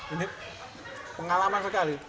ini pengalaman sekali